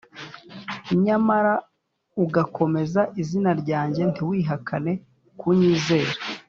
nyamara ugakomeza izina ryanjye ntiwihakane kunyizera,